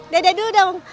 dadah dulu dong